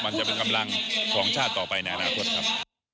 มันจะเป็นกำลังของชาติต่อไปในอนาคตครับ